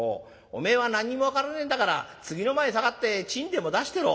おめえは何にも分からねえんだから次の間へ下がってちんでも出してろ」。